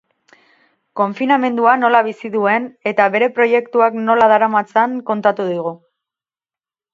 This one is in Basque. Konfinamendua nola bizi duen eta bere proiektuak nola daramatzan kontatu digu.